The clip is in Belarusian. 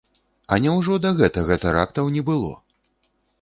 А няўжо да гэтага тэрактаў не было?